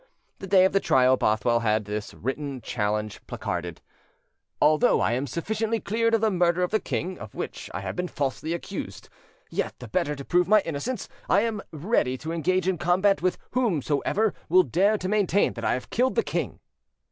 The day of the trial, Bothwell had this written challenge placarded: "Although I am sufficiently cleared of the murder of the king, of which I have been falsely accused, yet, the better to prove my innocence, I am, ready to engage in combat with whomsoever will dare to maintain that I have killed the king."